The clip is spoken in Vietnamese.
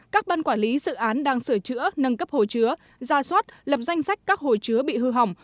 các ban quản lý dự án đang sửa chữa nâng cấp hồ chứa ra soát lập danh sách các hồ chứa bị hư hỏng